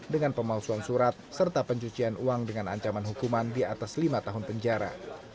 dengan pemalsuan surat serta pencucian uang dengan ancaman hukuman di atas lima tahun penjara